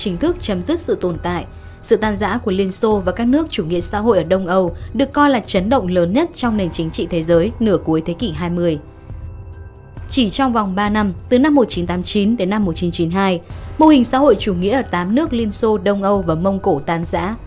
năm một nghìn chín trăm tám mươi chín đến năm một nghìn chín trăm chín mươi hai mô hình xã hội chủ nghĩa ở tám nước liên xô đông âu và mông cổ tan giã